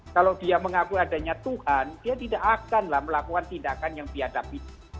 kalau dia mengakui adanya tuhan dia tidak akan melakukan tindakan yang biadab itu